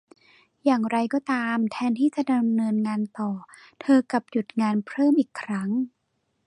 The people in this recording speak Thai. อย่างไรก็ตาม แทนที่จะดำเนินงานต่อ เธอกลับหยุดงานเพิ่มอีกครั้ง